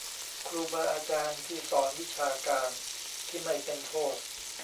ครูบาอาจารย์ที่สอนวิชาการที่ไม่เป็นโทษ